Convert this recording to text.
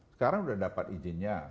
sekarang udah dapat izinnya